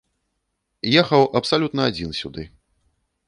Ехаў абсалютна адзін сюды.